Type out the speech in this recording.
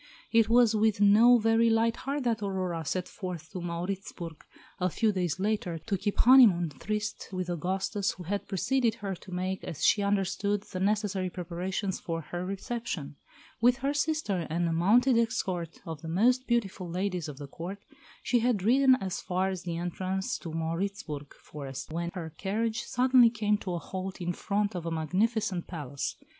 It was with no very light heart that Aurora set forth to Mauritzburg, a few days later, to keep "honeymoon tryst" with Augustus, who had preceded her, to make, as she understood, the necessary preparations for her reception. With her sister and a mounted escort of the most beautiful ladies of the Court, she had ridden as far as the entrance to the Mauritzburg forest, when her carriage suddenly came to a halt in front of a magnificent palace.